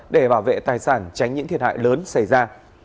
để bảo vệ tài sản tránh những thiệt hại lớn xảy ra